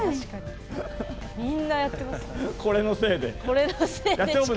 みんなやってますよ。